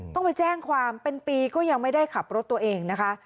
ต้องไปแจ้งความเป็นปีก็ยังไม่ได้ขับรถตัวเองนะคะ